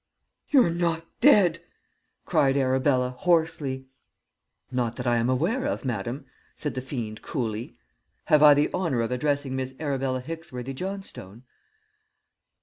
"'You are not dead!' cried Arabella, hoarsely. "'Not that I am aware of, madam,' said the fiend coolly.' Have I the honour of addressing Miss Arabella Hicksworthy Johnstone?'